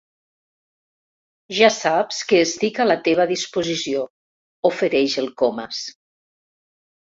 Ja saps que estic a la teva disposició —ofereix el Comas—.